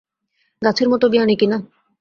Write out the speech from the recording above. গাছের মতো জ্ঞানী কি না।